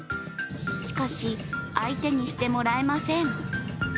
しかし、相手にしてもらえません。